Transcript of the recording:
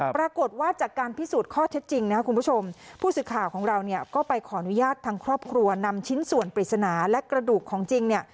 ปรากฏว่าจากการพิสูจน์ข้อเท็จจริงนะครับคุณผู้ชมผู้สื่อข่าวของเราเนี่ยก็ไปขออนุญาตทางครอบครัวนำชิ้นส่วนปริศนาและกระดูกของจริงเนี่ย